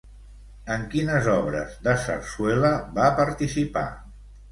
En quines obres de sarsuela va participar?